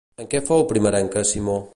En què fou primerenca Simó?